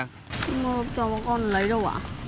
con một hộp tròn của con lấy đâu ạ